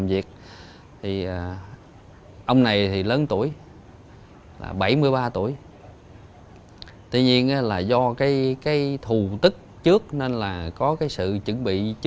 việc hiện tâm lý bất thường